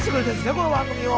この番組を。